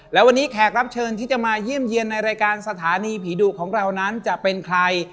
และวันนี้แขกรับเชิญที่จะมาเยี่ยมเยี่ยมในรายการสถานีผีดุของเรานั้นจะเป็นใคร